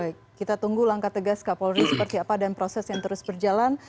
baik kita tunggu langkah tegas kapolri seperti apa dan proses yang terus berjalan